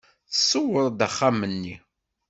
Tṣewwer-d axxam-nni.